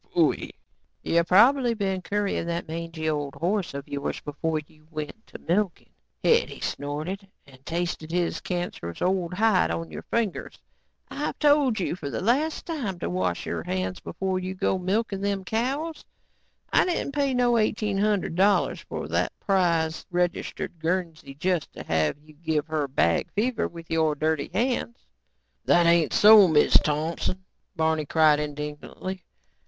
"You probably been currying that mangey old horse of yours before you went to milking," Hetty snorted, "and tasted his cancerous old hide on your fingers. I've told you for the last time to wash your hands before you go to milking them cows. I didn't pay no eighteen hundred dollars for that prize, registered Guernsey just to have you give her bag fever with your dirty hands." "That ain't so, Miz Thompson," Barney cried indignantly.